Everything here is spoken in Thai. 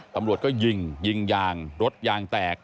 ตำรวจก็ยิงยิงยางรถยางแตก